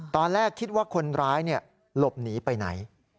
ตอนแรกคิดว่าคนร้ายหลบหนีไปไหน